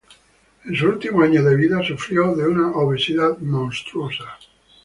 En sus últimos años de vida, sufrió de una obesidad "monstruosa".